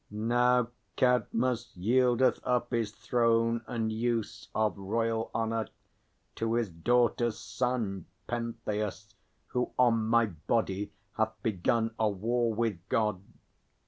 Now Cadmus yieldeth up his throne and use Of royal honour to his daughter's son Pentheus; who on my body hath begun A war with God.